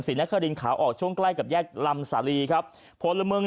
ศรีนักษรินขาวออกช่วงใกล้กับแยกลำสาลีครับโผล่ละมึง